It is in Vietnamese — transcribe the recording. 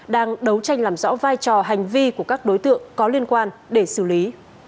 đang đấu tranh làm rõ vai trò hành vi của các đối tượng có liên quan để xử lý